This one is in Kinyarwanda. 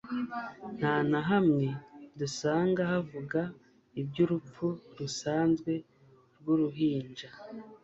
Nta na hamwe dusanga havuga ibyurupfu rusanzwe rwuruhinja